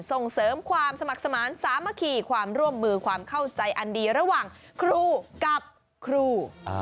ส่งเสริมความสมัครสมาธิสามัคคีความร่วมมือความเข้าใจอันดีระหว่างครูกับครู